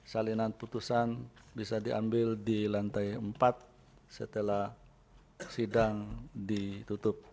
salinan putusan bisa diambil di lantai empat setelah sidang ditutup